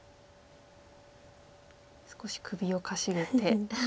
少し首をかしげて。